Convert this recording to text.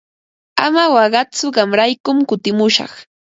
Ama waqaytsu qamraykum kutimushaq.